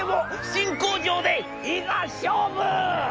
新工場でいざ勝負！』。